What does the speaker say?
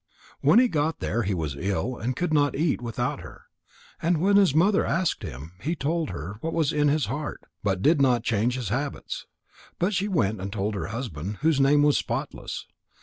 When he got there, he was ill and could not eat without her. And when his mother asked him, he told her what was in his heart, but did not change his habits. But she went and told her husband, whose name was Spotless.